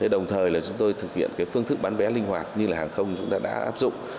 đồng thời là chúng tôi thực hiện phương thức bán vé linh hoạt như là hàng không chúng ta đã áp dụng